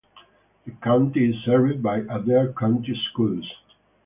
The county is served by Adair County Schools.